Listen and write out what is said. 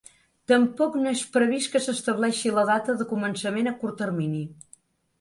Tampoc no és previst que s’estableixi la data de començament a curt termini.